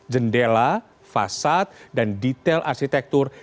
jendela fasad dan detail arsitektur